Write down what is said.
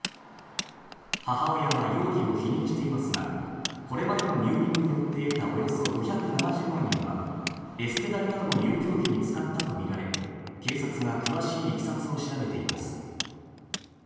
母親は容疑を否認していますがこれまでの入院によって得た、およそ５７０万円はエステ代などの遊興費に使ったとみられ、警察が詳しい、いきさつを調べています。